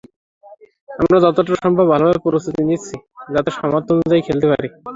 আমরা যতটা সম্ভব ভালোভাবে প্রস্তুতি নিচ্ছি, যাতে সামর্থ্য অনুযায়ী খেলতে পারি।